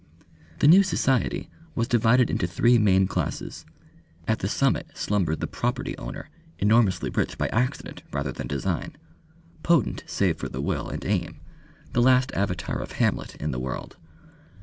The new society was divided into three main classes. At the summit slumbered the property owner, enormously rich by accident rather than design, potent save for the will and aim, the last avatar of Hamlet in the world.